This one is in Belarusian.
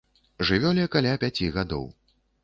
Жывёле каля пяці гадоў.